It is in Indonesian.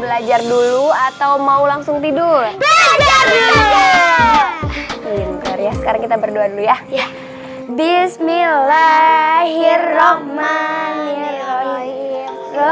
belajar dulu atau mau langsung tidur belajar belajar ya sekarang kita berdua ya bismillahirrohmanirrohim